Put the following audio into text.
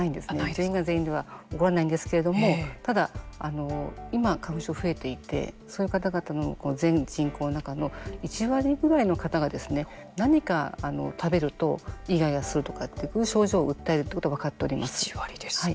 全員が全員では起こらないんですけれどもただ今、花粉症が増えていてそういう方々の全人口の中の１割ぐらいの方がですね何か食べるとイガイガするとかという症状を訴えるということが１割ですか。